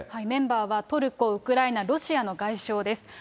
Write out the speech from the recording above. メンバーは、トルコ、ウクライナ、ロシアの外相です。